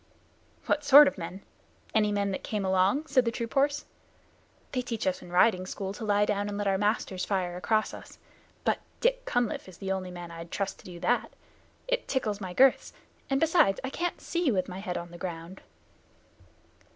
"What sort of men? Any men that came along?" said the troop horse. "They teach us in riding school to lie down and let our masters fire across us, but Dick Cunliffe is the only man I'd trust to do that. It tickles my girths, and, besides, I can't see with my head on the ground."